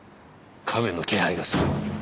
カメの気配がする。